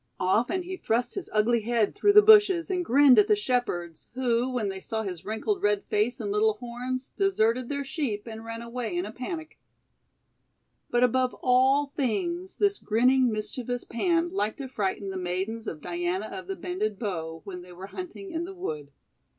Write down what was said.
Often he thrust his ugly head through the bushes and grinned at the Shepherds, who, when they saw his wrinkled red face and little horns, deserted their sheep and ran away in a panic. REED THAT WAS A MAIDEN 419 But above all things, this grinning mischievous Pan liked to frighten the maidens of Diana of the Bended Bow when they were hunting in the wood.